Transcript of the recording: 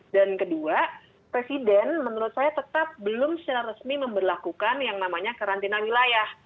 dan kedua presiden menurut saya tetap belum secara resmi memperlakukan yang namanya karantina wilayah